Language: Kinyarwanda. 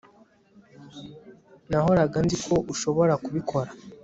Nahoraga nzi ko ushobora kubikora